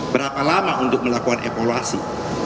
berapa lama untuk melakukan evaluasi